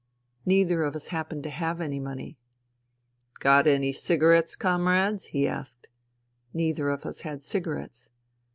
Neither of us happened to have any money. " Got any cigarettes, Comrades ?" he asked. Neither of us had cigarettes.